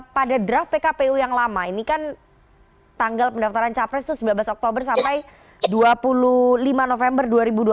pada draft pkpu yang lama ini kan tanggal pendaftaran capres itu sembilan belas oktober sampai dua puluh lima november dua ribu dua puluh